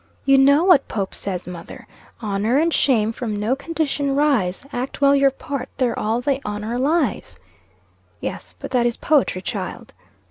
"You know what Pope says, mother 'Honor and shame from no condition rise; Act well your part, there all the honor lies.'" "Yes, but that is poetry, child."